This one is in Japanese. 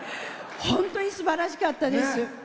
本当にすばらしかったです。